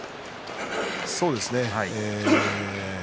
そうですね。